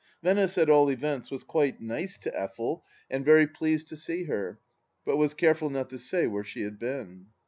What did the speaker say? Venice, at all events, was quite nice to Effel and very pleased to see her, but was careful not to say where she had been.